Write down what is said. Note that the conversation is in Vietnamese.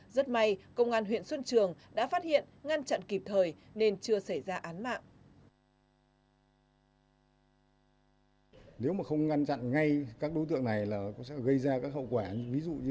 rất may công an huyện xuân trường đã phát hiện ngăn chặn kịp thời nên chưa xảy ra án mạng